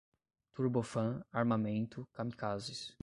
Turbofan, armamento, kamikazes